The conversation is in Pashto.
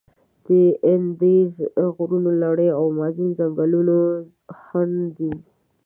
د اندیز د غرونو لړي او امازون ځنګلونه خنډ دي.